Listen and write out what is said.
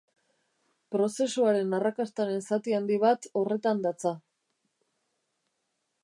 Prozesuaren arrakastaren zati handi bat horretan datza.